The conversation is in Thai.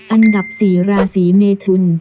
อันดับสี่ราศรีเมทุน